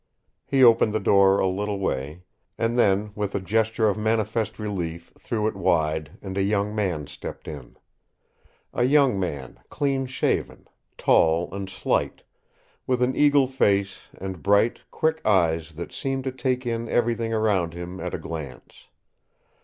He opened the door a little way; and then with a gesture of manifest relief threw it wide, and a young man stepped in. A young man clean shaven, tall and slight; with an eagle face and bright, quick eyes that seemed to take in everything around him at a glance.